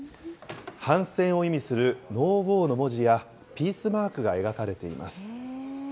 反戦を意味するＮＯＷＡＲの文字や、ピースマークが描かれています。